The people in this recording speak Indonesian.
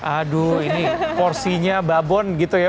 aduh ini porsinya babon gitu ya